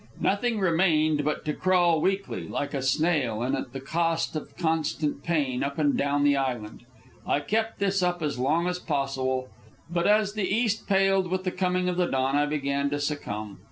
Nothing remained but to crawl weakly, like a snail, and at the cost of constant pain, up and down the island. I kept this up as along as possible, but as the east paled with the coming of dawn I began to succumb.